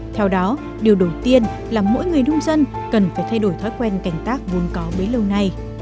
theo đó điều đầu tiên là mỗi người nông dân cần phải thay đổi thói quen canh tác vốn có bấy lâu nay